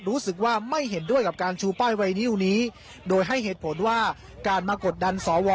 รู้สึกว่าไม่เห็นด้วยกับการชูป้ายไวนิวนี้โดยให้เหตุผลว่าการมากดดันสว